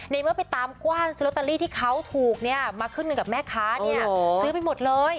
เมื่อไปตามกว้านซื้อลอตเตอรี่ที่เขาถูกมาขึ้นเงินกับแม่ค้าเนี่ยซื้อไปหมดเลย